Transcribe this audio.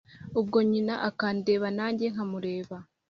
ubwo nyina akandeba najye nka mureba